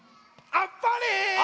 「あっぱれ」。